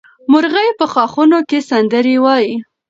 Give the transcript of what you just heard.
مرغۍ په ښاخونو کې سندرې وایي.